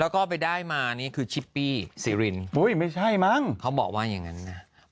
แล้วก็ไปได้มานี่คือชิปปี้ซีรินอุ้ยไม่ใช่มั้งเขาบอกว่าอย่างนั้นนะ